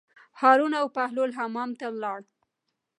هارون او بهلول حمام ته لاړل.